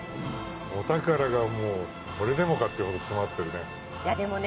お宝がもうこれでもかっていうほど詰まってるね。